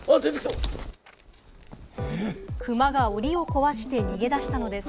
クマが檻を壊して逃げ出したのです。